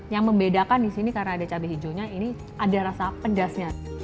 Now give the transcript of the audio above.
yang membedakan di sini karena ada cabai hijaunya ini ada rasa pedasnya